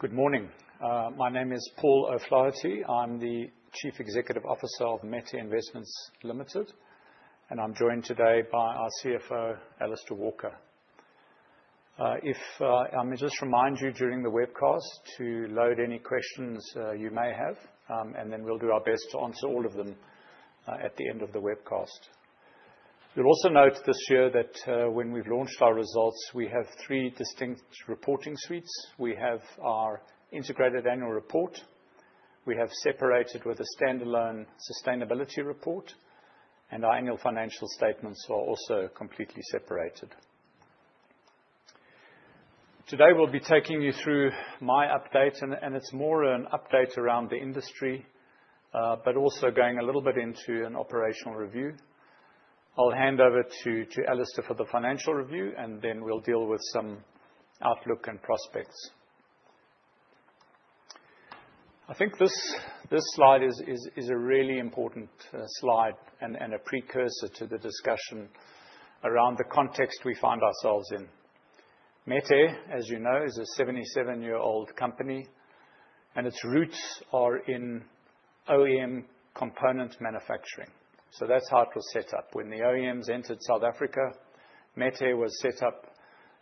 Good morning. My name is Paul O'Flaherty. I am the Chief Executive Officer of Metair Investments Limited, and I am joined today by our CFO, Alastair Walker. I may just remind you during the webcast to load any questions you may have. Then we will do our best to answer all of them at the end of the webcast. You will also note this year that when we have launched our results, we have three distinct reporting suites. We have our integrated annual report, we have separated with a standalone sustainability report. Our annual financial statements are also completely separated. Today, we will be taking you through my update. It is more an update around the industry, also going a little bit into an operational review. I will hand over to Alastair for the financial review. Then we will deal with some outlook and prospects. I think this slide is a really important slide and a precursor to the discussion around the context we find ourselves in. Metair, as you know, is a 77-year-old company. Its roots are in OEM component manufacturing. That is how it was set up. When the OEMs entered South Africa, Metair was set up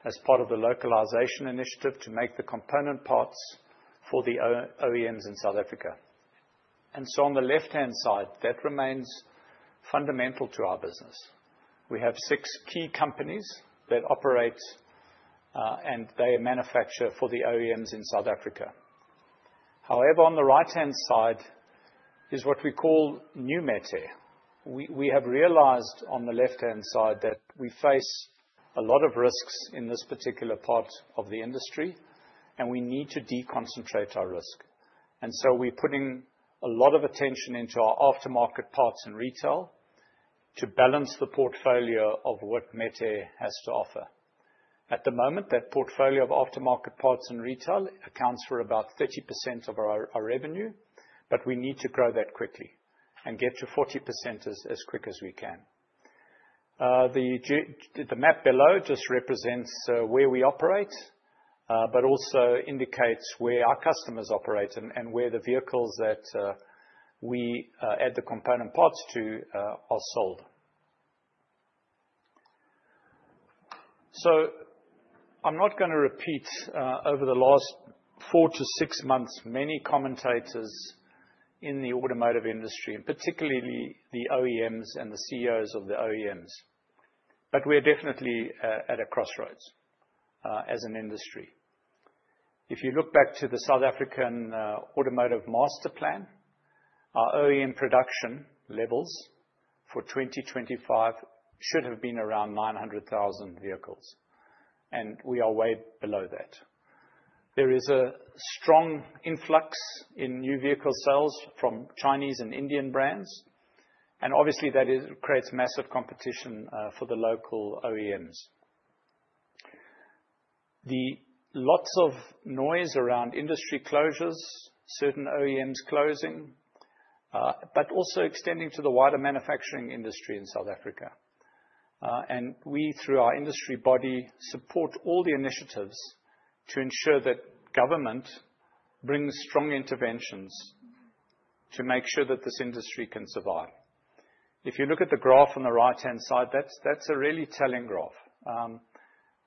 as part of the localization initiative to make the component parts for the OEMs in South Africa. On the left-hand side, that remains fundamental to our business. We have six key companies that operate. They manufacture for the OEMs in South Africa. However, on the right-hand side is what we call New Metair. We have realized on the left-hand side that we face a lot of risks in this particular part of the industry. We need to deconcentrate our risk. We are putting a lot of attention into our aftermarket parts and retail to balance the portfolio of what Metair has to offer. At the moment, that portfolio of aftermarket parts and retail accounts for about 30% of our revenue. We need to grow that quickly and get to 40% as quick as we can. The map below just represents where we operate, also indicates where our customers operate and where the vehicles that we add the component parts to are sold. I am not going to repeat, over the last 4 to 6 months, many commentators in the automotive industry, particularly the OEMs and the CEOs of the OEMs. We are definitely at a crossroads as an industry. If you look back to the South African Automotive Masterplan, our OEM production levels for 2025 should have been around 900,000 vehicles. We are way below that. There is a strong influx in new vehicle sales from Chinese and Indian brands. Obviously, that creates massive competition for the local OEMs. The lots of noise around industry closures, certain OEMs closing, also extending to the wider manufacturing industry in South Africa. We, through our industry body, support all the initiatives to ensure that government brings strong interventions to make sure that this industry can survive. If you look at the graph on the right-hand side, that is a really telling graph.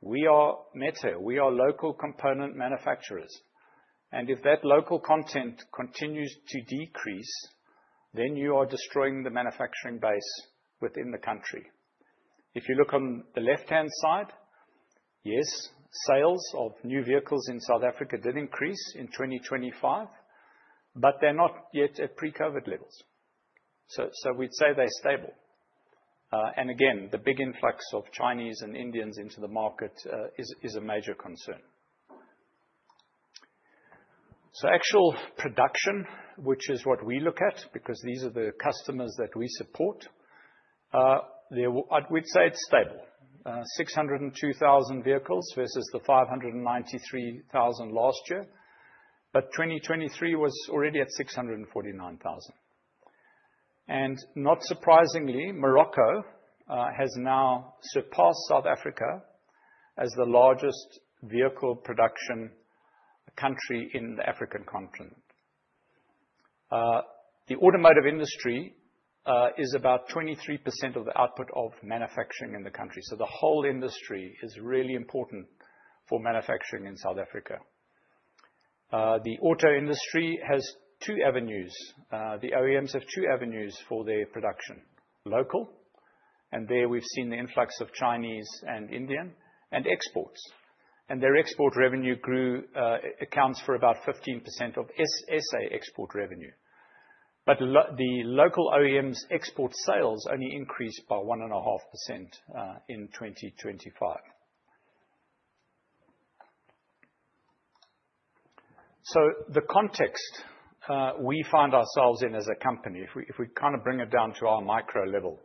We are Metair, we are local component manufacturers. If that local content continues to decrease, you are destroying the manufacturing base within the country. If you look on the left-hand side, yes, sales of new vehicles in South Africa did increase in 2025, but they're not yet at pre-COVID levels. We'd say they're stable. Again, the big influx of Chinese and Indians into the market is a major concern. Actual production, which is what we look at, because these are the customers that we support, we'd say it's stable. 602,000 vehicles versus the 593,000 last year, but 2023 was already at 649,000. Not surprisingly, Morocco has now surpassed South Africa as the largest vehicle production country in the African continent. The automotive industry is about 23% of the output of manufacturing in the country. The whole industry is really important for manufacturing in South Africa. The auto industry has two avenues. The OEMs have two avenues for their production, local, there we've seen the influx of Chinese and Indian, and exports. Their export revenue accounts for about 15% of SSA export revenue. The local OEMs export sales only increased by 1.5% in 2025. The context we find ourselves in as a company, if we kind of bring it down to our micro level,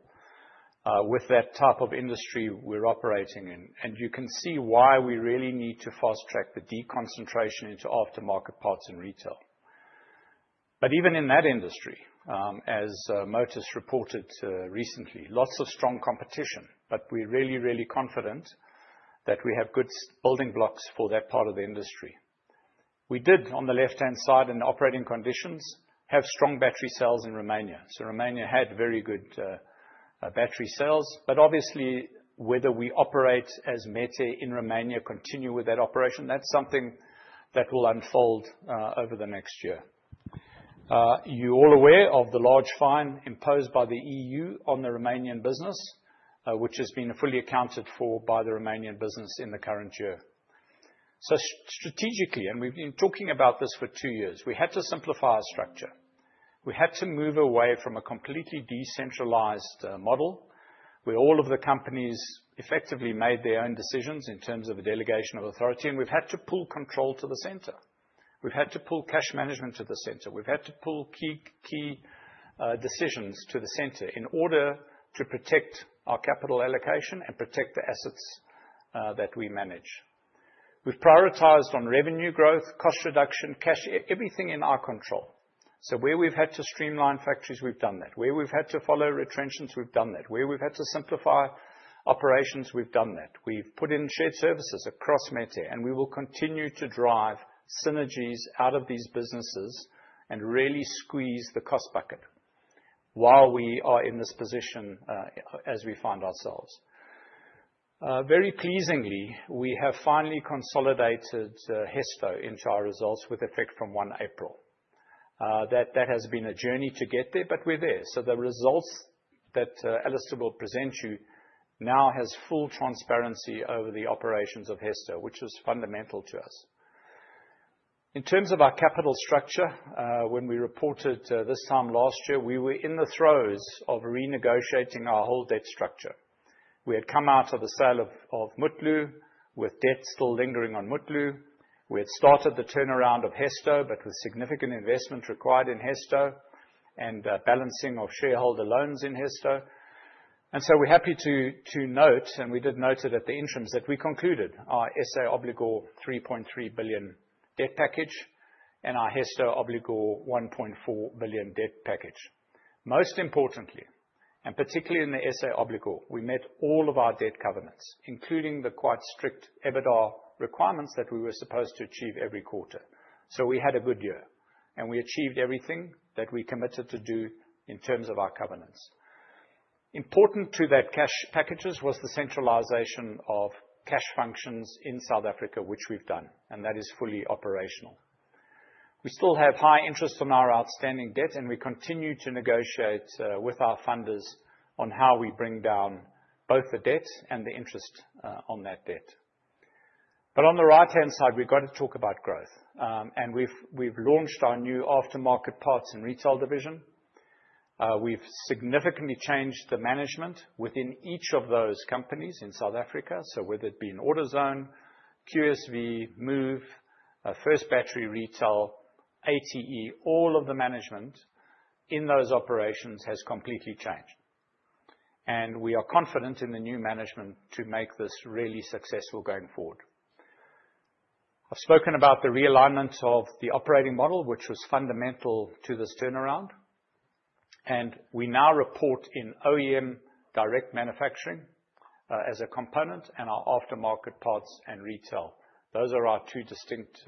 with that type of industry we're operating in, you can see why we really need to fast-track the deconcentration into aftermarket parts and retail. Even in that industry, as Motus reported recently, lots of strong competition, we're really, really confident that we have good building blocks for that part of the industry. We did, on the left-hand side in operating conditions, have strong battery sales in Romania. Romania had very good battery sales, obviously whether we operate as Metair in Romania, continue with that operation, that's something that will unfold over the next year. You're all aware of the large fine imposed by the EU on the Romanian business, which has been fully accounted for by the Romanian business in the current year. Strategically, we've been talking about this for two years, we had to simplify our structure. We had to move away from a completely decentralized model, where all of the companies effectively made their own decisions in terms of a delegation of authority, we've had to pull control to the center. We've had to pull cash management to the center. We've had to pull key decisions to the center in order to protect our capital allocation and protect the assets that we manage. We've prioritized on revenue growth, cost reduction, cash, everything in our control. Where we've had to streamline factories, we've done that. Where we've had to follow retentions, we've done that. Where we've had to simplify operations, we've done that. We've put in shared services across Metair, we will continue to drive synergies out of these businesses and really squeeze the cost bucket while we are in this position as we find ourselves. Very pleasingly, we have finally consolidated Hesto into our results with effect from 1 April. That has been a journey to get there, we're there. The results that Alastair will present you now has full transparency over the operations of Hesto, which is fundamental to us. In terms of our capital structure, when we reported this time last year, we were in the throes of renegotiating our whole debt structure. We had come out of the sale of Mutlu with debt still lingering on Mutlu. We had started the turnaround of Hesto, but with significant investment required in Hesto and balancing of shareholder loans in Hesto. We're happy to note, and we did note it at the interim, that we concluded our SA Obligor 3.3 billion debt package and our Hesto Obligor 1.4 billion debt package. Most importantly, particularly in the SA Obligor, we met all of our debt covenants, including the quite strict EBITDA requirements that we were supposed to achieve every quarter. We had a good year, and we achieved everything that we committed to do in terms of our covenants. Important to that cash packages was the centralization of cash functions in South Africa, which we've done, and that is fully operational. We still have high interest on our outstanding debt, and we continue to negotiate with our funders on how we bring down both the debt and the interest on that debt. On the right-hand side, we've got to talk about growth. We've launched our new aftermarket parts and retail division. We've significantly changed the management within each of those companies in South Africa. So whether it be in AutoZone, QSV, MOVE, First Battery Retail, ATE, all of the management in those operations has completely changed. We are confident in the new management to make this really successful going forward. I've spoken about the realignment of the operating model, which was fundamental to this turnaround. We now report in OEM direct manufacturing as a component and our aftermarket parts and retail. Those are our two distinct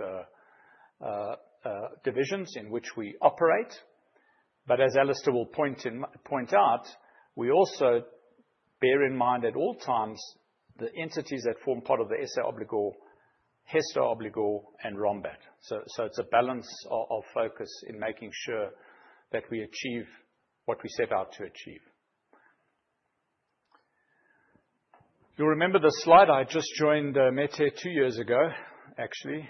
divisions in which we operate. As Alastair will point out, we also bear in mind at all times the entities that form part of the SA Obligor, Hesto Obligor and Rombat. It's a balance of focus in making sure that we achieve what we set out to achieve. You'll remember this slide. I just joined Metair two years ago, actually,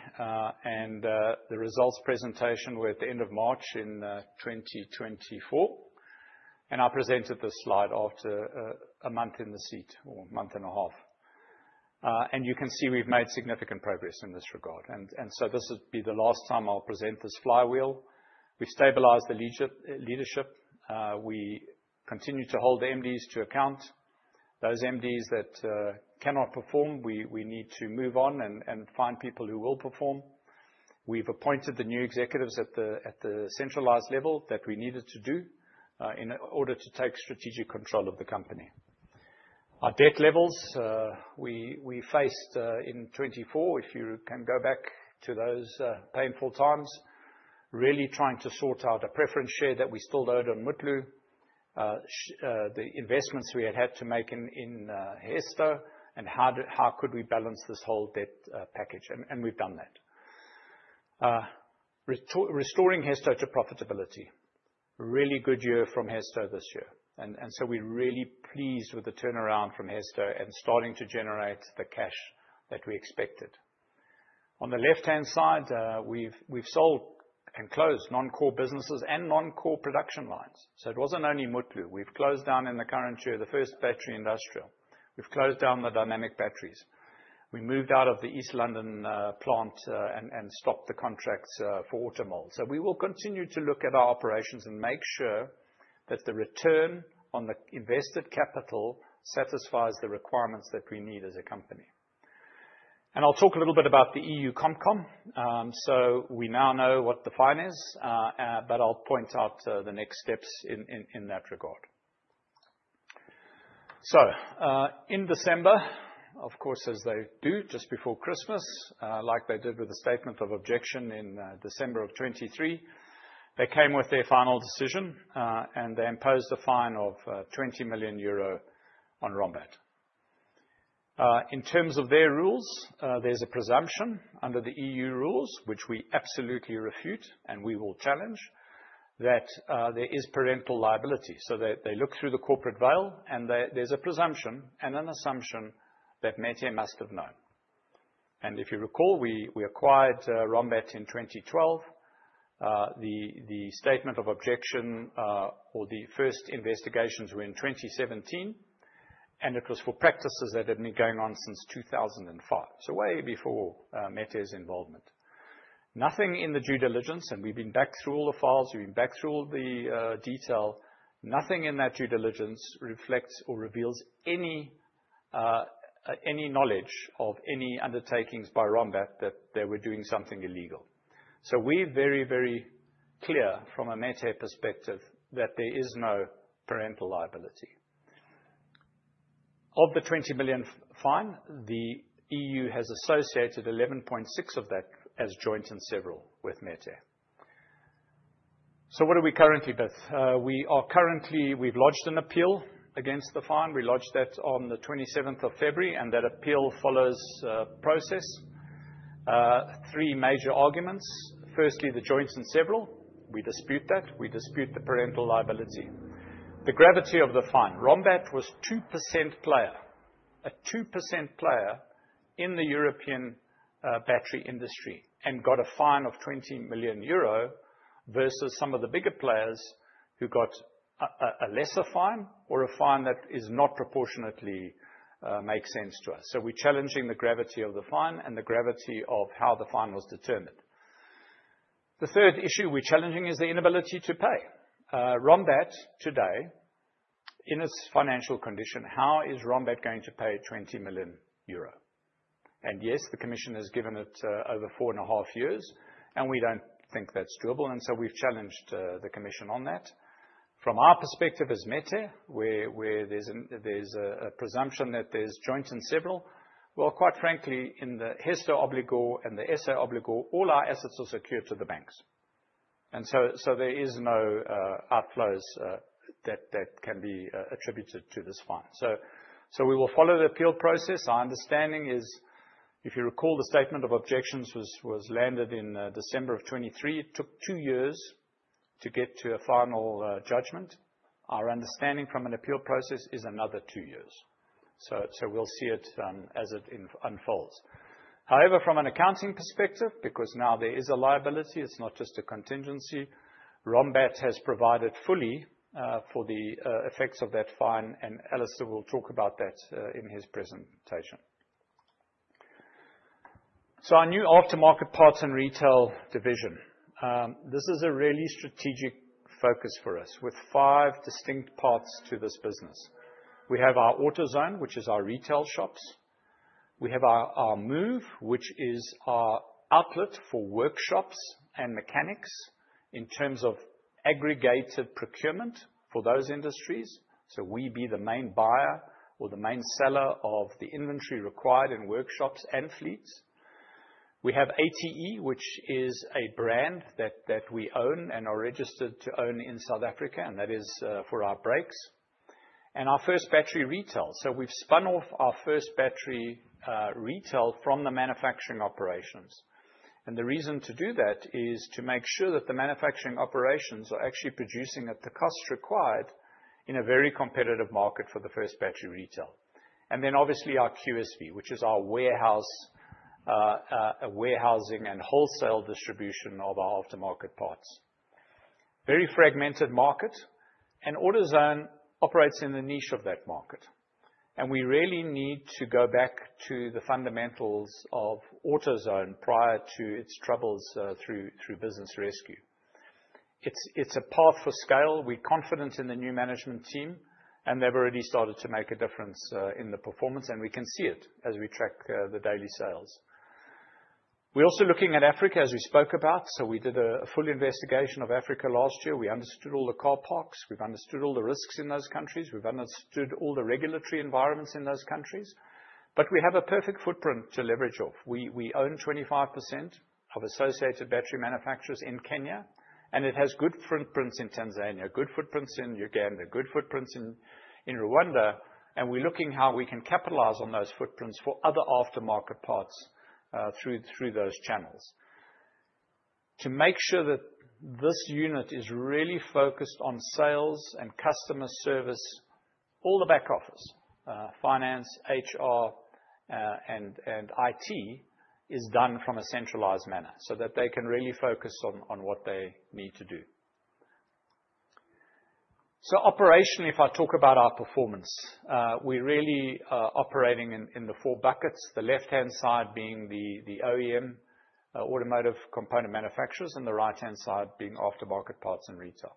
and the results presentation were at the end of March in 2024. I presented this slide after a month in the seat or a month and a half. You can see we've made significant progress in this regard. This will be the last time I'll present this flywheel. We've stabilized the leadership. We continue to hold the MDs to account. Those MDs that cannot perform, we need to move on and find people who will perform. We've appointed the new executives at the centralized level that we needed to do in order to take strategic control of the company. Our debt levels, we faced in 2024, if you can go back to those painful times, really trying to sort out a preference share that we still owed on Mutlu, the investments we had had to make in Hesto, and how could we balance this whole debt package? We've done that. Restoring Hesto to profitability. Really good year from Hesto this year. We're really pleased with the turnaround from Hesto and starting to generate the cash that we expected. On the left-hand side, we've sold and closed non-core businesses and non-core production lines. It wasn't only Mutlu. We've closed down in the current year, the First Battery Industrial. We've closed down the Dynamic Batteries. We moved out of the East London plant, and stopped the contracts for Automall. We will continue to look at our operations and make sure that the return on the invested capital satisfies the requirements that we need as a company. I'll talk a little bit about the EU Comp Com. We now know what the fine is, but I'll point out the next steps in that regard. In December, of course, as they do just before Christmas, like they did with the statement of objection in December of 2023, they came with their final decision, and they imposed a fine of 20 million euro on Rombat. In terms of their rules, there's a presumption under the EU rules, which we absolutely refute, and we will challenge, that there is parental liability. They look through the corporate veil, and there's a presumption and an assumption that Metair must have known. If you recall, we acquired Rombat in 2012. The statement of objection, or the first investigations were in 2017, and it was for practices that had been going on since 2005, so way before Metair's involvement. Nothing in the due diligence, and we've been back through all the files, we've been back through all the detail. Nothing in that due diligence reflects or reveals any knowledge of any undertakings by Rombat that they were doing something illegal. We're very clear from a Metair perspective that there is no parental liability. Of the 20 million fine, the EU has associated 11.6 million of that as joint and several with Metair. What are we currently with? Currently, we've lodged an appeal against the fine. We lodged that on the 27th of February, and that appeal follows process. Three major arguments. Firstly, the joints and several, we dispute that. We dispute the parental liability. The gravity of the fine. Rombat was a 2% player, a 2% player in the European battery industry and got a fine of 20 million euro versus some of the bigger players who got a lesser fine or a fine that is not proportionately make sense to us. We're challenging the gravity of the fine and the gravity of how the fine was determined. The third issue we're challenging is the inability to pay. Rombat today, in its financial condition, how is Rombat going to pay 20 million euro? And yes, the commission has given it over four and a half years, and we don't think that's doable, and so we've challenged the commission on that. From our perspective as Metair, where there's a presumption that there's joint and several, well, quite frankly, in the Hesto Obligor and the SA Obligor, all our assets are secured to the banks. There is no outflows that can be attributed to this fine. We will follow the appeal process. Our understanding is, if you recall, the statement of objections was landed in December of 2023. It took two years to get to a final judgment. Our understanding from an appeal process is another two years. We'll see it as it unfolds. However, from an accounting perspective, because now there is a liability, it's not just a contingency, Rombat has provided fully for the effects of that fine, and Alastair will talk about that in his presentation. Our new Aftermarket Parts and Retail division. This is a really strategic focus for us, with five distinct parts to this business. We have our AutoZone, which is our retail shops. We have our MOVE, which is our outlet for workshops and mechanics in terms of aggregated procurement for those industries. We'd be the main buyer or the main seller of the inventory required in workshops and fleets. We have ATE, which is a brand that we own and are registered to own in South Africa, and that is for our brakes. Our First Battery Retail. We've spun off our First Battery Retail from the manufacturing operations. The reason to do that is to make sure that the manufacturing operations are actually producing at the cost required in a very competitive market for the First Battery Retail. Obviously our QSV, which is our warehousing and wholesale distribution of our aftermarket parts. Very fragmented market, and AutoZone operates in the niche of that market. We really need to go back to the fundamentals of AutoZone prior to its troubles through business rescue. It's a path for scale. We're confident in the new management team, and they've already started to make a difference in the performance, and we can see it as we track the daily sales. We're also looking at Africa, as we spoke about. We did a full investigation of Africa last year. We understood all the car parks. We've understood all the risks in those countries. We've understood all the regulatory environments in those countries. We have a perfect footprint to leverage off. We own 25% of Associated Battery Manufacturers in Kenya, and it has good footprints in Tanzania, good footprints in Uganda, good footprints in Rwanda, and we're looking how we can capitalize on those footprints for other aftermarket parts through those channels. To make sure that this unit is really focused on sales and customer service, all the back office, finance, HR, and IT is done from a centralized manner so that they can really focus on what they need to do. Operationally, if I talk about our performance, we're really operating in the four buckets, the left-hand side being the OEM, automotive component manufacturers, and the right-hand side being aftermarket parts and retail.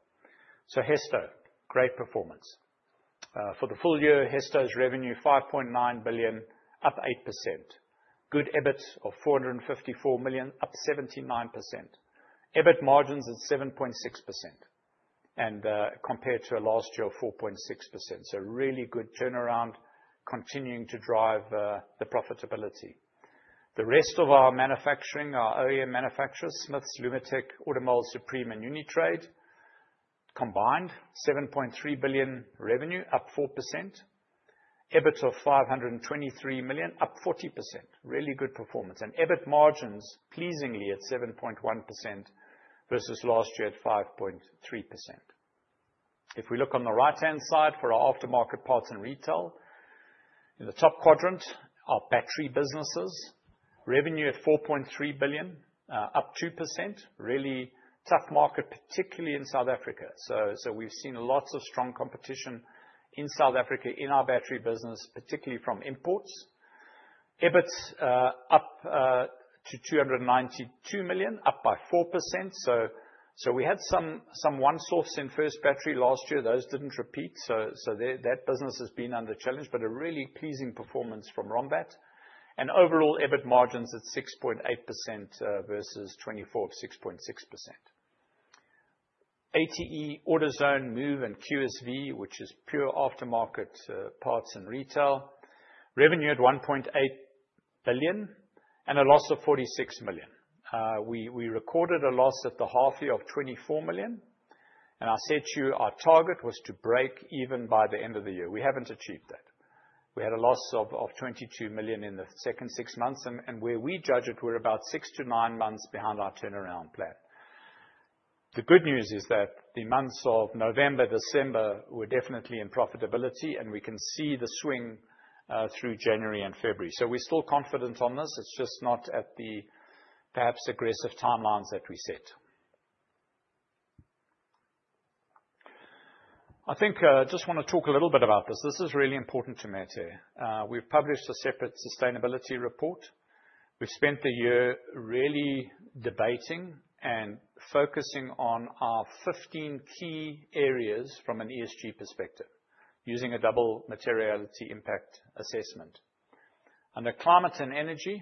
Hesto, great performance. For the full year, Hesto's revenue, 5.9 billion, up 8%. Good EBIT of 454 million, up 79%. EBIT margins is 7.6%, and compared to last year, 4.6%. Really good turnaround, continuing to drive the profitability. The rest of our manufacturing, our OEM manufacturers, Smiths, Lumotech, Automotive Supreme, and Unitrade, combined 7.3 billion revenue, up 4%. EBIT of 523 million, up 40%. Really good performance. EBIT margins pleasingly at 7.1% versus last year at 5.3%. If we look on the right-hand side for our aftermarket parts and retail, in the top quadrant, our battery businesses. Revenue at 4.3 billion, up 2%. Really tough market, particularly in South Africa. We've seen lots of strong competition in South Africa in our battery business, particularly from imports. EBIT up to 292 million, up by 4%. We had some one source in First Battery last year. Those didn't repeat, so that business has been under challenge, but a really pleasing performance from Rombat. Overall EBIT margins at 6.8% versus 2024.6.6%. ATE, AutoZone, MOVE, and QSV, which is pure aftermarket parts and retail, revenue at 1.8 billion and a loss of 46 million. We recorded a loss at the half year of 24 million, and I said to you our target was to break even by the end of the year. We haven't achieved that. We had a loss of 22 million in the second six months, and where we judge it, we're about six to nine months behind our turnaround plan. The good news is that the months of November, December, we're definitely in profitability, and we can see the swing through January and February. We're still confident on this, it's just not at the perhaps aggressive timelines that we set. I think I just want to talk a little bit about this. This is really important to Metair. We've published a separate sustainability report. We've spent the year really debating and focusing on our 15 key areas from an ESG perspective, using a double materiality impact assessment. Under climate and energy,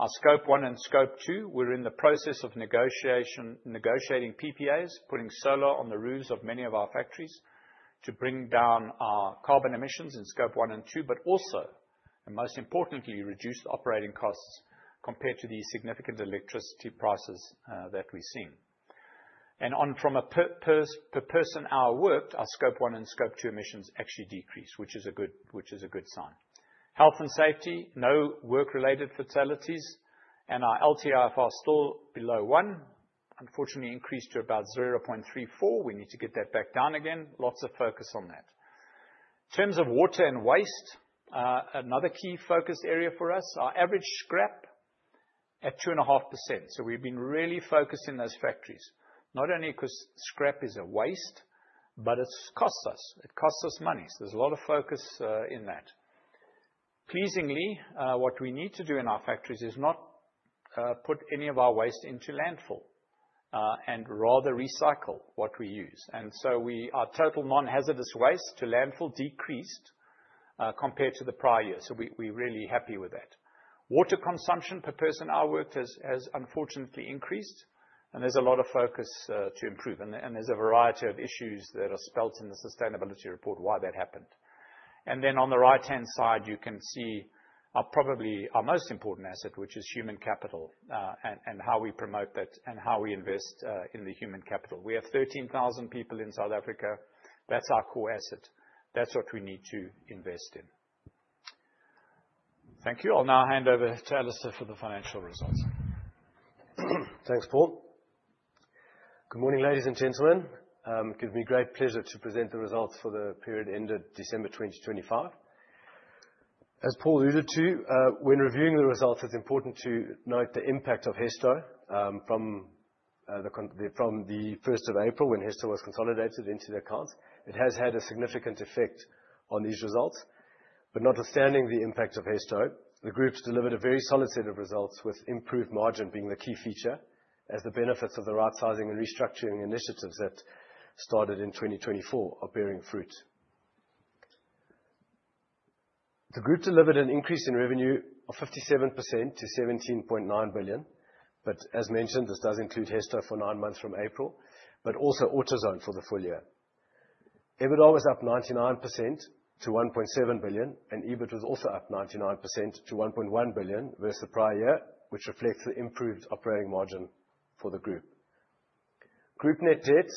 our Scope 1 and Scope 2, we're in the process of negotiating PPAs, putting solar on the roofs of many of our factories to bring down our carbon emissions in Scope 1 and 2, but also, and most importantly, reduce operating costs compared to the significant electricity prices that we're seeing. And from a per person hour worked, our Scope 1 and Scope 2 emissions actually decreased, which is a good sign. Health and safety, no work-related fatalities, and our LTIF are still below one. Unfortunately increased to about 0.34. We need to get that back down again. Lots of focus on that. In terms of water and waste, another key focus area for us, our average scrap at 2.5%. We've been really focused in those factories, not only because scrap is a waste, but it costs us money. There's a lot of focus in that. Pleasingly, what we need to do in our factories is not put any of our waste into landfill, and rather recycle what we use. And so our total non-hazardous waste to landfill decreased compared to the prior year. We're really happy with that. Water consumption per person hour worked has unfortunately increased, and there's a lot of focus to improve, and there's a variety of issues that are spelt in the sustainability report why that happened. And then on the right-hand side, you can see probably our most important asset, which is human capital, and how we promote that, and how we invest in the human capital. We have 13,000 people in South Africa. That's our core asset. That's what we need to invest in. Thank you. I'll now hand over to Alastair for the financial results. Thanks, Paul. Good morning, ladies and gentlemen. It gives me great pleasure to present the results for the period ended December 2025. As Paul alluded to, when reviewing the results, it is important to note the impact of Hesto from the 1st of April when Hesto was consolidated into the accounts. It has had a significant effect on these results. Notwithstanding the impact of Hesto, the groups delivered a very solid set of results, with improved margin being the key feature, as the benefits of the rightsizing and restructuring initiatives that started in 2024 are bearing fruit. The group delivered an increase in revenue of 57% to 17.9 billion. As mentioned, this does include Hesto for nine months from April, but also AutoZone for the full year. EBITDA was up 99% to 1.7 billion. EBIT was also up 99% to 1.1 billion versus the prior year, which reflects the improved operating margin for the group. Group net debts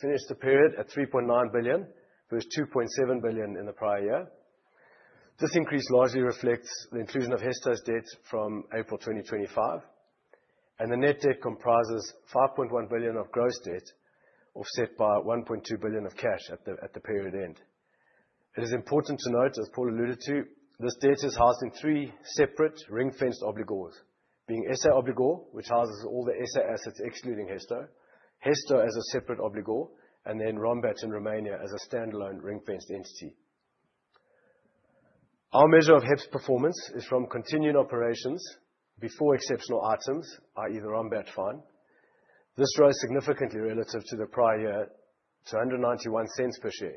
finished the period at 3.9 billion versus 2.7 billion in the prior year. This increase largely reflects the inclusion of Hesto's debt from April 2025, and the net debt comprises 5.1 billion of gross debt offset by 1.2 billion of cash at the period end. It is important to note, as Paul alluded to, this debt is housed in three separate ring-fenced obligors, being SA Obligor, which houses all the SA assets excluding Hesto as a separate obligor, and then Rombat in Romania as a standalone ring-fenced entity. Our measure of HEPS performance is from continuing operations before exceptional items, i.e., Rombat fine. This rose significantly relative to the prior year to 1.91 per share,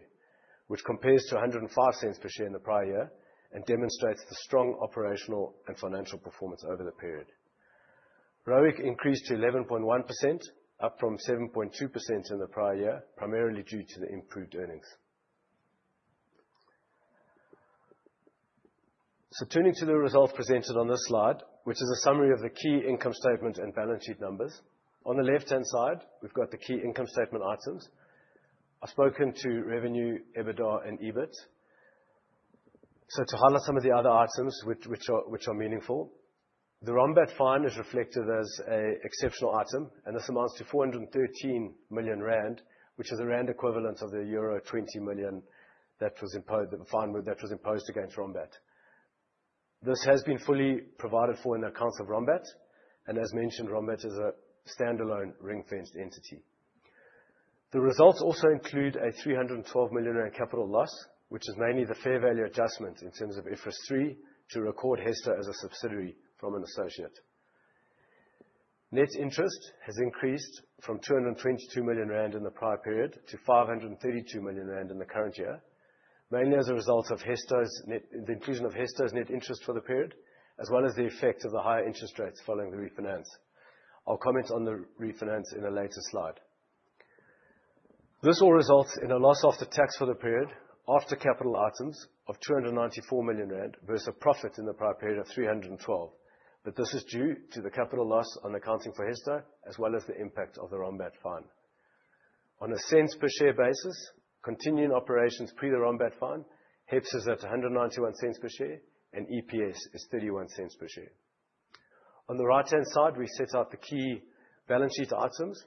which compares to 1.05 per share in the prior year and demonstrates the strong operational and financial performance over the period. ROIC increased to 11.1%, up from 7.2% in the prior year, primarily due to the improved earnings. Turning to the results presented on this slide, which is a summary of the key income statement and balance sheet numbers. On the left-hand side, we've got the key income statement items. I've spoken to revenue, EBITDA and EBIT. To highlight some of the other items which are meaningful, the Rombat fine is reflected as an exceptional item, and this amounts to 413 million rand, which is the rand equivalent of the euro 20 million fine that was imposed against Rombat. This has been fully provided for in the accounts of Rombat. As mentioned, Rombat is a standalone ring-fenced entity. The results also include a 312 million capital loss, which is mainly the fair value adjustment in terms of IFRS 3 to record Hesto as a subsidiary from an associate. Net interest has increased from 222 million rand in the prior period to 532 million rand in the current year, mainly as a result of the inclusion of Hesto's net interest for the period, as well as the effect of the higher interest rates following the refinance. I will comment on the refinance in a later slide. This all results in a loss after tax for the period, after capital items, of 294 million rand versus a profit in the prior period of 312 million. This is due to the capital loss on accounting for Hesto as well as the impact of the Rombat fine. On a ZAR per share basis, continuing operations pre the Rombat fine, HEPS is at 1.91 per share and EPS is 0.31 per share. On the right-hand side, we set out the key balance sheet items,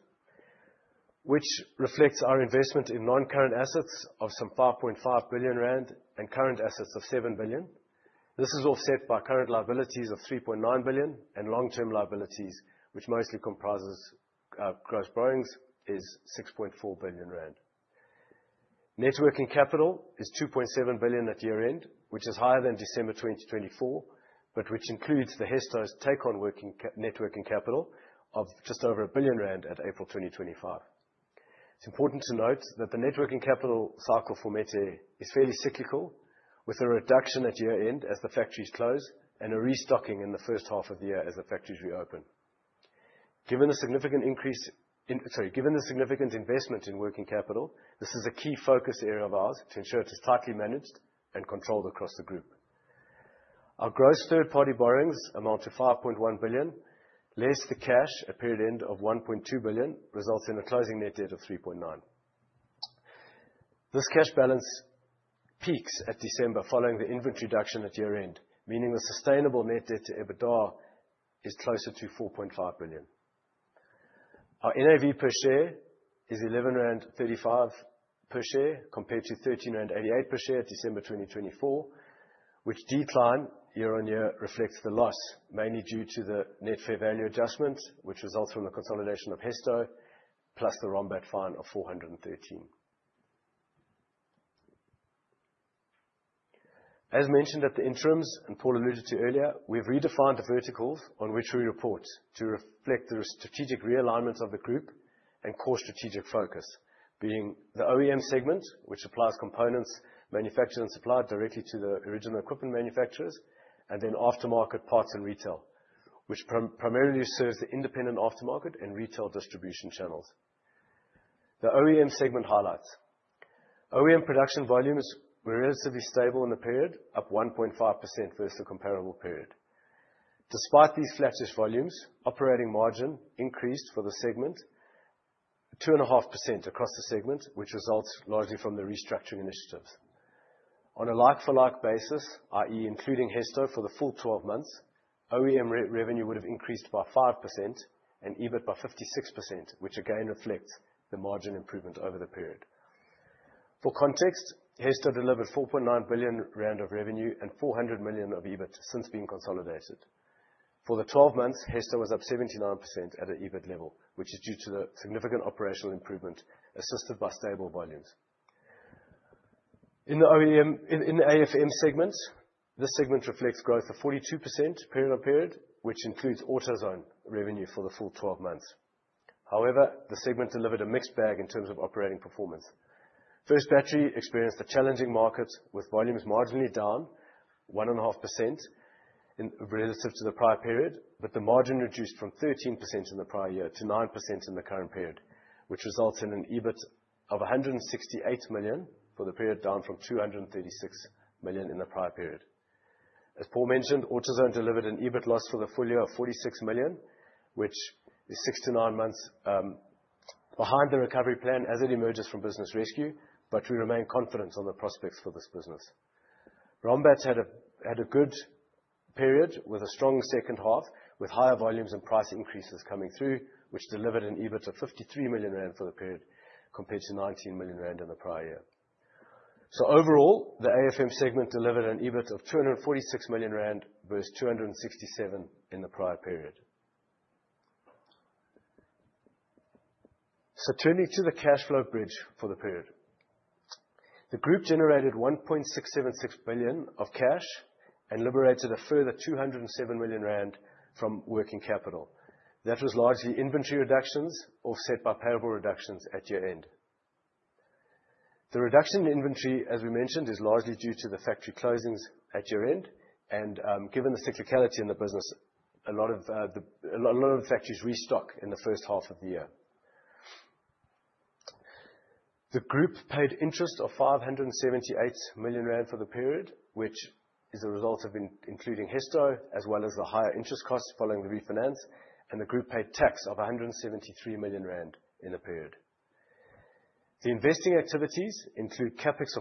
which reflects our investment in non-current assets of some 5.5 billion rand and current assets of 7 billion. This is all set by current liabilities of 3.9 billion and long-term liabilities, which mostly comprises gross borrowings, is 6.4 billion rand. Net working capital is 2.7 billion at year-end, which is higher than December 2024, but which includes the Hesto's take on net working capital of just over 1 billion rand at April 2025. It is important to note that the net working capital cycle for Metair is fairly cyclical, with a reduction at year-end as the factories close and a restocking in the first half of the year as the factories reopen. Given the significant investment in working capital, this is a key focus area of ours to ensure it is tightly managed and controlled across the group. Our gross third-party borrowings amount to 5.1 billion, less the cash at period end of 1.2 billion, results in a closing net debt of 3.9 billion. This cash balance peaks at December following the inventory reduction at year-end, meaning the sustainable net debt to EBITDA is closer to 4.5 billion. Our NAV per share is 11.35 rand per share compared to 13.88 rand per share at December 2024, which decline year-over-year reflects the loss, mainly due to the net fair value adjustment, which results from the consolidation of Hesto, plus the Rombat fine of 413 million. As mentioned at the interims, and Paul alluded to earlier, we have redefined the verticals on which we report to reflect the strategic realignment of the group and core strategic focus. Being the OEM segment, which supplies components manufactured and supplied directly to the original equipment manufacturers, and then Aftermarket Parts and Retail, which primarily serves the independent aftermarket and retail distribution channels. The OEM segment highlights. OEM production volumes were relatively stable in the period, up 1.5% versus the comparable period. Despite these flattish volumes, operating margin increased for the segment, 2.5% across the segment, which results largely from the restructuring initiatives. On a like-for-like basis, i.e., including Hesto for the full 12 months, OEM revenue would have increased by 5% and EBIT by 56%, which again reflects the margin improvement over the period. For context, Hesto delivered 4.9 billion rand of revenue and 400 million of EBIT since being consolidated. For the 12 months, Hesto was up 79% at an EBIT level, which is due to the significant operational improvement assisted by stable volumes. In the AFM segment, this segment reflects growth of 42% period-over-period, which includes AutoZone revenue for the full 12 months. However, the segment delivered a mixed bag in terms of operating performance. First Battery experienced a challenging market with volumes marginally down 1.5% relative to the prior period, but the margin reduced from 13% in the prior year to 9% in the current period, which results in an EBIT of 168 million for the period, down from 236 million in the prior period. As Paul mentioned, AutoZone delivered an EBIT loss for the full year of 46 million, which is 6 to 9 months behind the recovery plan as it emerges from business rescue, but we remain confident on the prospects for this business. Rombat's had a good period with a strong second half, with higher volumes and price increases coming through, which delivered an EBIT of 53 million rand for the period, compared to 19 million rand in the prior year. Overall, the AFM segment delivered an EBIT of 246 million rand versus 267 million in the prior period. Turning to the cash flow bridge for the period. The group generated 1.676 billion of cash and liberated a further 207 million rand from working capital. That was largely inventory reductions offset by payable reductions at year-end. The reduction in inventory, as we mentioned, is largely due to the factory closings at year-end. Given the cyclicality in the business, a lot of the factories restock in the first half of the year. The group paid interest of 578 million rand for the period, which is a result of including Hesto, as well as the higher interest costs following the refinance, the group paid tax of 173 million rand in the period. The investing activities include CapEx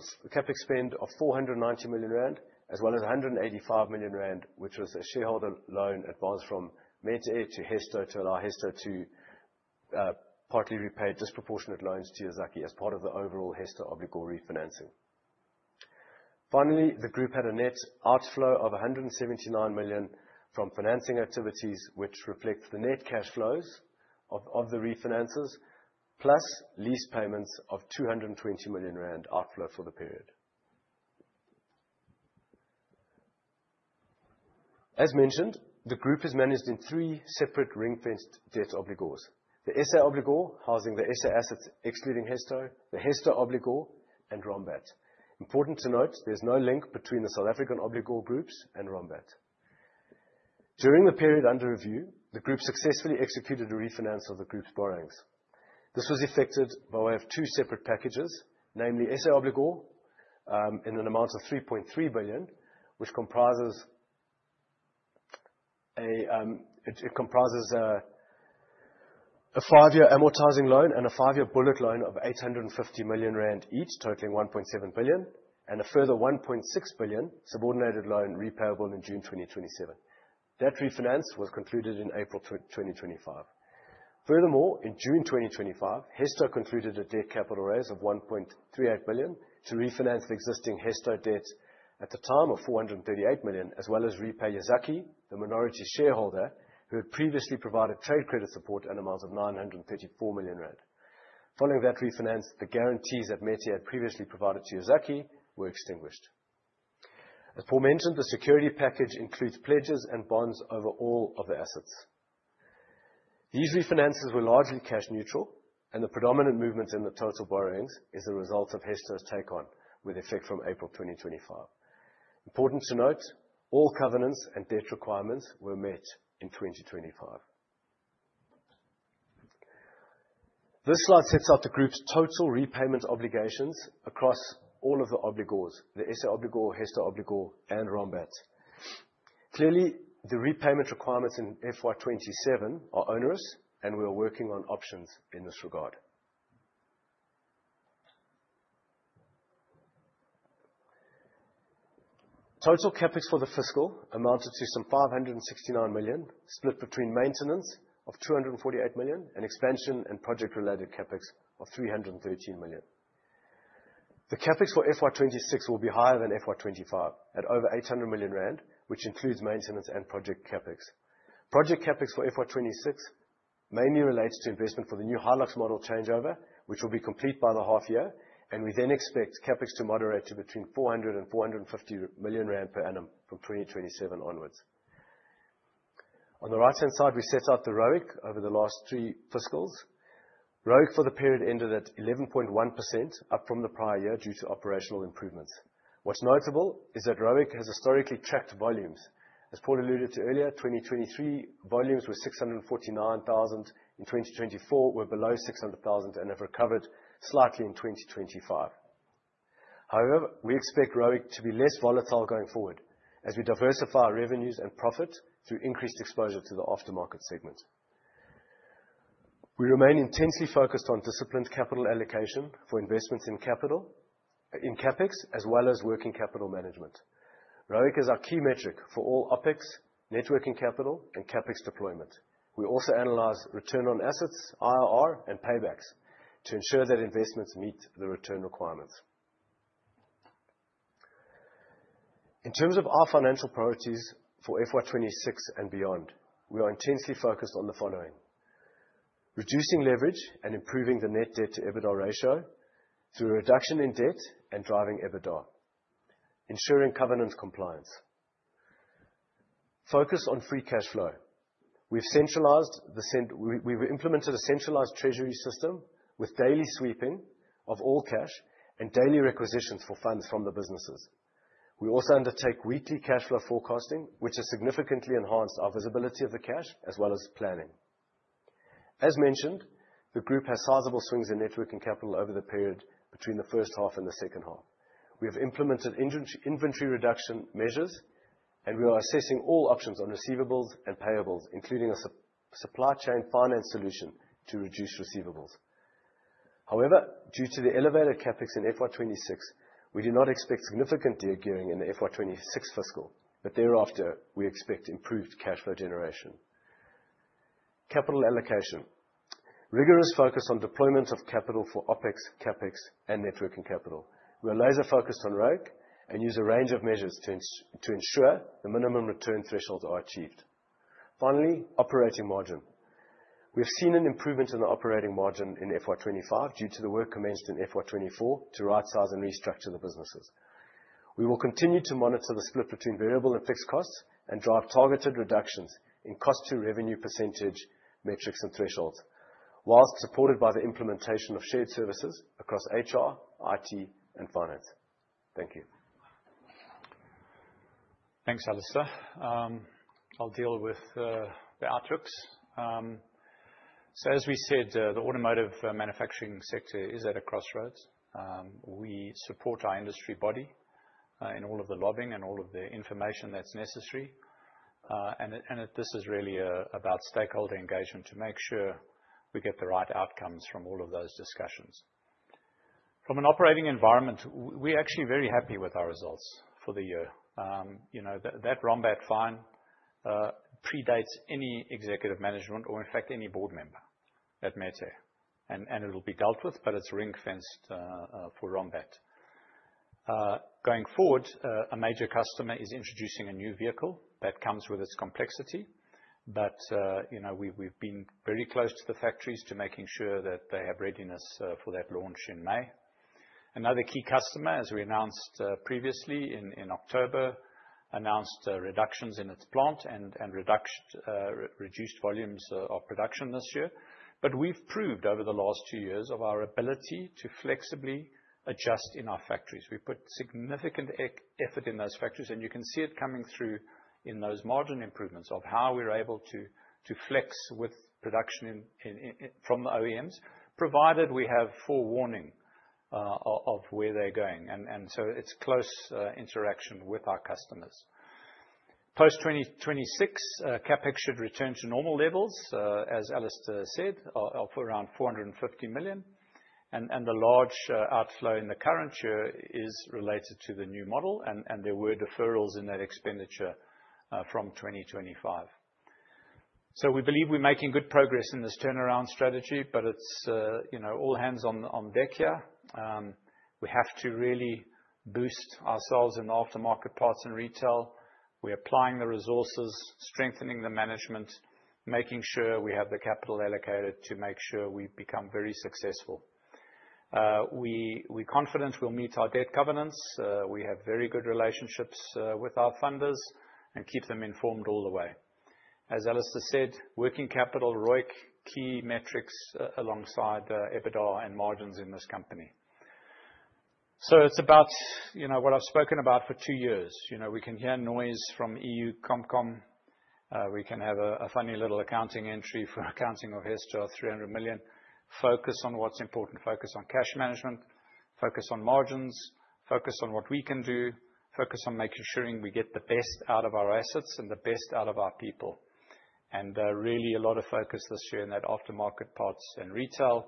spend of 490 million rand as well as 185 million rand, which was a shareholder loan advanced from Metair to Hesto to allow Hesto to partly repay disproportionate loans to Yazaki as part of the overall Hesto Obligor refinancing. Finally, the group had a net outflow of 179 million from financing activities, which reflect the net cash flows of the refinances, plus lease payments of 220 million rand outflow for the period. As mentioned, the group is managed in three separate ring-fenced debt obligors. The SA Obligor, housing the SA assets excluding Hesto, the Hesto Obligor, and Rombat. Important to note, there is no link between the South African obligor groups and Rombat. During the period under review, the group successfully executed a refinance of the group's borrowings. This was effected by way of two separate packages, namely SA Obligor, in an amount of 3.3 billion, which comprises a five-year amortizing loan and a five-year bullet loan of 850 million rand each, totaling 1.7 billion, and a further 1.6 billion subordinated loan repayable in June 2027. That refinance was concluded in April 2025. Furthermore, in June 2025, Hesto concluded a debt capital raise of 1.38 billion to refinance existing Hesto debt at the time of 438 million, as well as repay Yazaki, the minority shareholder, who had previously provided trade credit support at amount of 934 million rand. Following that refinance, the guarantees that Metair had previously provided to Yazaki were extinguished. Aforementioned, the security package includes pledges and bonds over all of the assets. These refinances were largely cash neutral. The predominant movement in the total borrowings is a result of Hesto's take on, with effect from April 2025. Important to note, all covenants and debt requirements were met in 2025. This slide sets out the group's total repayment obligations across all of the obligors, the SA Obligor, Hesto Obligor, and Rombat. Clearly, the repayment requirements in FY 2027 are onerous, and we are working on options in this regard. Total CapEx for the fiscal amounted to some 569 million, split between maintenance of 248 million and expansion and project-related CapEx of 313 million. The CapEx for FY 2026 will be higher than FY 2025 at over 800 million rand, which includes maintenance and project CapEx. Project CapEx for FY 2026 mainly relates to investment for the new Hilux model changeover, which will be complete by the half year. We then expect CapEx to moderate to between 400 million-450 million rand per annum from 2027 onwards. On the right-hand side, we set out the ROIC over the last three fiscals. ROIC for the period ended at 11.1%, up from the prior year due to operational improvements. What's notable is that ROIC has historically tracked volumes. As Paul alluded to earlier, 2023 volumes were 649,000, in 2024 were below 600,000 and have recovered slightly in 2025. We expect ROIC to be less volatile going forward as we diversify our revenues and profit through increased exposure to the aftermarket segment. We remain intensely focused on disciplined capital allocation for investments in CapEx, as well as working capital management. ROIC is our key metric for all OpEx, networking capital, and CapEx deployment. We also analyze return on assets, IRR, and paybacks to ensure that investments meet the return requirements. In terms of our financial priorities for FY 2026 and beyond, we are intensely focused on the following: reducing leverage and improving the net debt to EBITDA ratio through a reduction in debt and driving EBITDA. Ensuring covenant compliance. Focus on free cash flow. We've implemented a centralized treasury system with daily sweeping of all cash and daily requisitions for funds from the businesses. We also undertake weekly cash flow forecasting, which has significantly enhanced our visibility of the cash as well as planning. As mentioned, the group has sizable swings in networking capital over the period between the first half and the second half. We have implemented inventory reduction measures. We are assessing all options on receivables and payables, including a supply chain finance solution to reduce receivables. Due to the elevated CapEx in FY 2026, we do not expect significant de-gearing in the FY 2026 fiscal. Thereafter, we expect improved cash flow generation. Capital allocation. Rigorous focus on deployment of capital for OpEx, CapEx, and networking capital. We are laser focused on ROIC and use a range of measures to ensure the minimum return thresholds are achieved. Finally, operating margin. We have seen an improvement in the operating margin in FY 2025 due to the work commenced in FY 2024 to rightsize and restructure the businesses. We will continue to monitor the split between variable and fixed costs and drive targeted reductions in cost to revenue percentage metrics and thresholds, whilst supported by the implementation of shared services across HR, IT, and finance. Thank you. Thanks, Alastair. I'll deal with the outlooks. As we said, the automotive manufacturing sector is at a crossroads. We support our industry body in all of the lobbying and all of the information that's necessary. This is really about stakeholder engagement to make sure we get the right outcomes from all of those discussions. From an operating environment, we're actually very happy with our results for the year. That Rombat fine predates any executive management or in fact any board member at Metair, and it'll be dealt with, but it's ring-fenced for Rombat. Going forward, a major customer is introducing a new vehicle that comes with its complexity. We've been very close to the factories to making sure that they have readiness for that launch in May. Another key customer, as we announced previously in October, announced reductions in its plant and reduced volumes of production this year. We've proved over the last two years of our ability to flexibly adjust in our factories. We put significant effort in those factories, and you can see it coming through in those margin improvements of how we're able to flex with production from the OEMs, provided we have forewarning of where they're going. It's close interaction with our customers. Post 2026, CapEx should return to normal levels, as Alastair said, of around 450 million, and the large outflow in the current year is related to the new model, and there were deferrals in that expenditure from 2025. We believe we're making good progress in this turnaround strategy, but it's all hands on deck here. We have to really boost ourselves in the aftermarket parts and retail. We're applying the resources, strengthening the management, making sure we have the capital allocated to make sure we become very successful. We're confident we'll meet our debt covenants. We have very good relationships with our funders and keep them informed all the way. As Alastair said, working capital, ROIC, key metrics alongside EBITDA and margins in this company. It's about what I've spoken about for two years. We can hear noise from EU Comcom. We can have a funny little accounting entry for accounting of Hesto, 300 million. Focus on what's important, focus on cash management, focus on margins, focus on what we can do, focus on making sure we get the best out of our assets and the best out of our people. Really a lot of focus this year in that aftermarket parts and retail,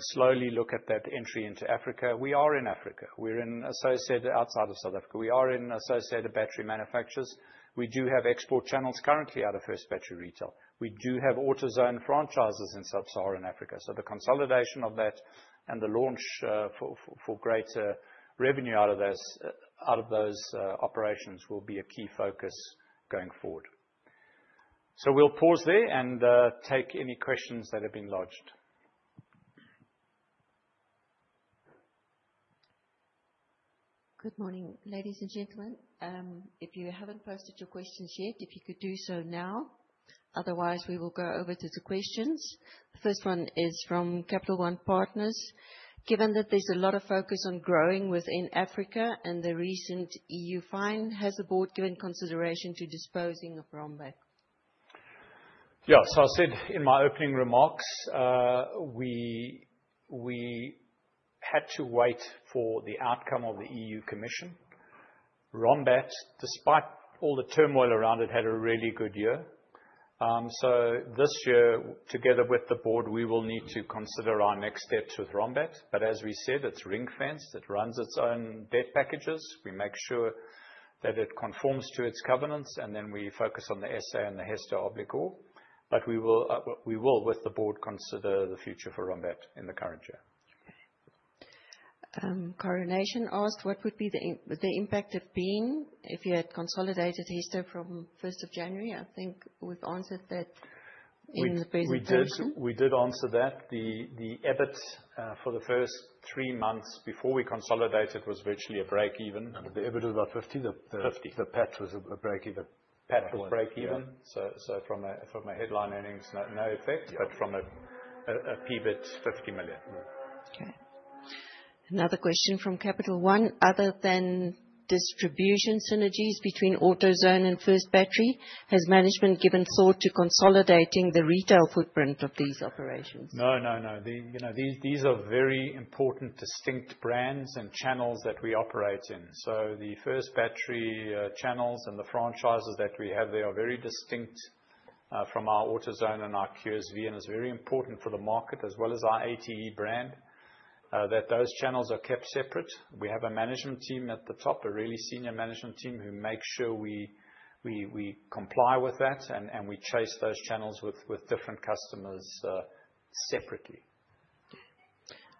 slowly look at that entry into Africa. We are in Africa. We're in Associated Battery Manufacturers outside of South Africa. We are in Associated Battery Manufacturers. We do have export channels currently out of First Battery Retail. We do have AutoZone franchises in sub-Saharan Africa. The consolidation of that and the launch for greater revenue out of those operations will be a key focus going forward. We'll pause there and take any questions that have been lodged. Good morning, ladies and gentlemen. If you haven't posted your questions yet, if you could do so now. Otherwise, we will go over to the questions. The first one is from Capital One Partners. Given that there's a lot of focus on growing within Africa and the recent EU fine, has the board given consideration to disposing of Rombat? I said in my opening remarks, we had to wait for the outcome of the EU Commission. Rombat, despite all the turmoil around it, had a really good year. This year, together with the board, we will need to consider our next steps with Rombat. As we said, it's ring-fenced. It runs its own debt packages. We make sure that it conforms to its covenants, and then we focus on the SA Obligor and the Hesto Obligor. We will, with the board, consider the future for Rombat in the current year. Coronation asked what would be the impact have been if you had consolidated Hesto from 1st of January? I think we've answered that in the presentation. We did answer that. The EBIT for the first three months before we consolidated was virtually a break-even. The EBIT was about 50. Fifty. The PAT was a break even. PAT was break even. From a headline earnings, no effect, but from a PBIT, 50 million. Yeah. Okay. Another question from Capital One, other than distribution synergies between AutoZone and First Battery, has management given thought to consolidating the retail footprint of these operations? No, no. These are very important distinct brands and channels that we operate in. The First Battery channels and the franchises that we have there are very distinct from our AutoZone and our QSV, and it's very important for the market as well as our ATE brand, that those channels are kept separate. We have a management team at the top, a really senior management team who make sure we comply with that, and we chase those channels with different customers separately.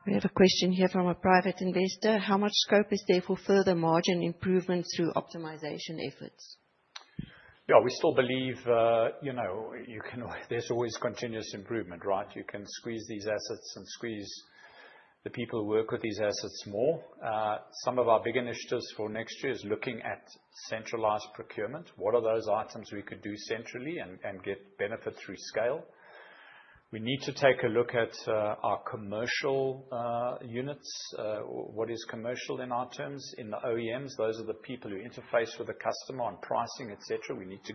We have a question here from a private investor. How much scope is there for further margin improvement through optimization efforts? Yeah, we still believe there's always continuous improvement, right? You can squeeze these assets and squeeze the people who work with these assets more. Some of our big initiatives for next year is looking at centralized procurement. What are those items we could do centrally and get benefit through scale? We need to take a look at our commercial units, what is commercial in our terms, in the OEMs. Those are the people who interface with the customer on pricing, et cetera. We need to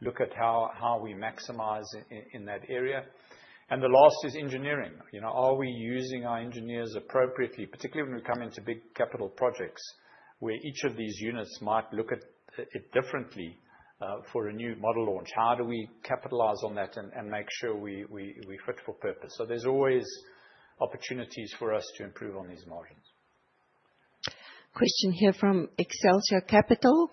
look at how we maximize in that area. The last is engineering. Are we using our engineers appropriately, particularly when we come into big capital projects, where each of these units might look at it differently for a new model launch? How do we capitalize on that and make sure we fit for purpose? There's always opportunities for us to improve on these margins. Question here from Excelsia Capital.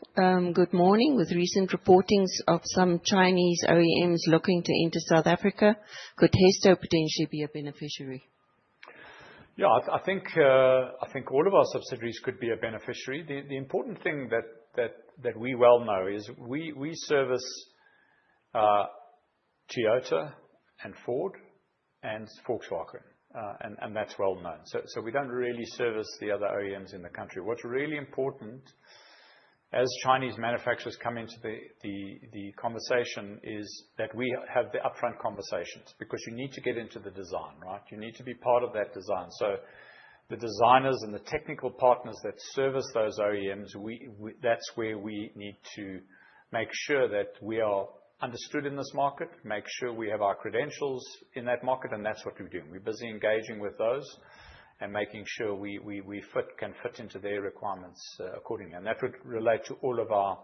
Good morning. With recent reportings of some Chinese OEMs looking to enter South Africa, could Hesto potentially be a beneficiary? Yeah, I think all of our subsidiaries could be a beneficiary. The important thing that we well know is we service Toyota, and Ford, and Volkswagen, and that's well-known. We don't really service the other OEMs in the country. What's really important as Chinese manufacturers come into the conversation is that we have the upfront conversations, because you need to get into the design, right? You need to be part of that design. The designers and the technical partners that service those OEMs, that's where we need to make sure that we are understood in this market, make sure we have our credentials in that market, and that's what we're doing. We're busy engaging with those and making sure we can fit into their requirements accordingly. That would relate to all of our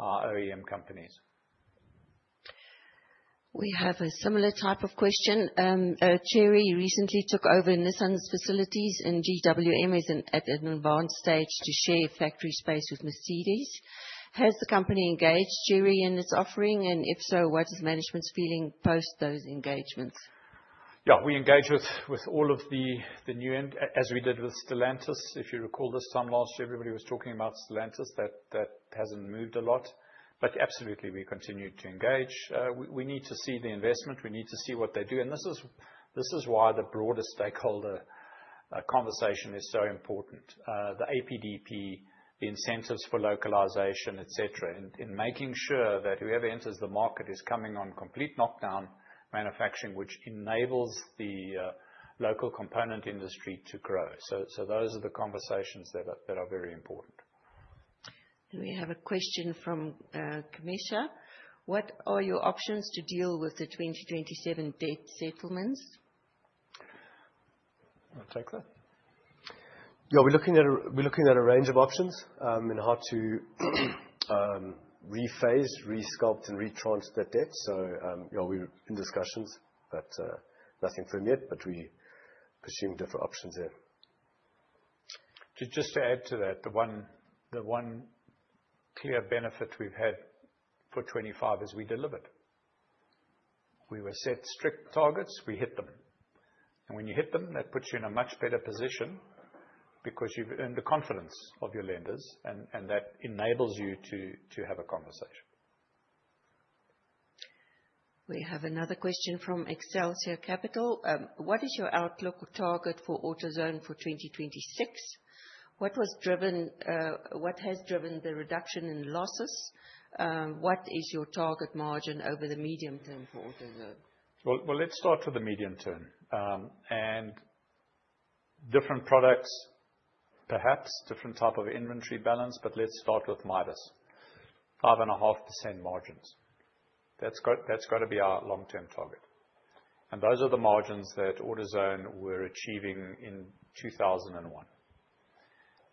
OEM companies. We have a similar type of question. Chery recently took over Nissan's facilities, and GWM is at an advanced stage to share factory space with Mercedes-Benz. Has the company engaged Chery in its offering, and if so, what is management's feeling post those engagements? Yeah, we engage with all of the new, as we did with Stellantis. If you recall, this time last year, everybody was talking about Stellantis. That hasn't moved a lot. Absolutely, we continue to engage. We need to see the investment. We need to see what they do. This is why the broader stakeholder conversation is so important. The APDP, the incentives for localization, et cetera, in making sure that whoever enters the market is coming on complete knockdown manufacturing, which enables the local component industry to grow. Those are the conversations that are very important. We have a question from Kamesha. What are your options to deal with the 2027 debt settlements? I'll take that. Yeah, we're looking at a range of options, how to rephase, resculpt, and retranche that debt. Yeah, we're in discussions, nothing firm yet. We pursue different options there. Just to add to that, the one clear benefit we've had for 2025 is we delivered. We were set strict targets, we hit them. When you hit them, that puts you in a much better position, because you've earned the confidence of your lenders, and that enables you to have a conversation. We have another question from Excelsia Capital. What is your outlook or target for AutoZone for 2026? What has driven the reduction in losses? What is your target margin over the medium term for AutoZone? Well, let's start with the medium term. Different products, perhaps different type of inventory balance, but let's start with Midas. Five and a half % margins. That's got to be our long-term target. Those are the margins that AutoZone were achieving in 2001.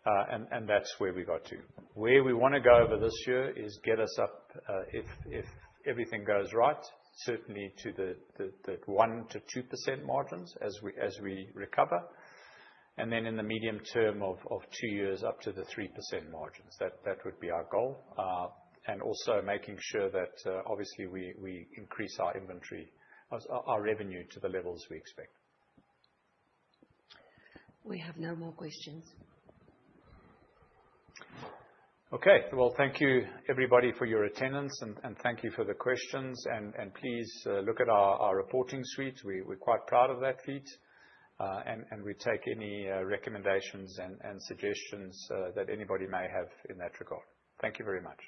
That's where we got to. Where we wanna go over this year is get us up, if everything goes right, certainly to the 1%-2% margins as we recover. Then in the medium term of two years, up to the 3% margins. That would be our goal. Also making sure that, obviously, we increase our revenue to the levels we expect. We have no more questions. Okay. Well, thank you, everybody, for your attendance, and thank you for the questions. Please look at our reporting suite. We're quite proud of that feat. We take any recommendations and suggestions that anybody may have in that regard. Thank you very much.